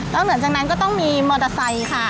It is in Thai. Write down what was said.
แล้วเหนือจากนั้นก็ต้องมีมอเตอร์ไซค์ค่ะ